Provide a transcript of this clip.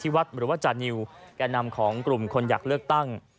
วัดหรือว่าจานิวแก่นำของกลุ่มคนอยากเลือกตั้ง